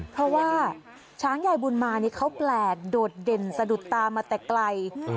เพราะว่าช้างยายบุญมานี่เขาแปลกโดดเด่นสะดุดตามาแต่ไกล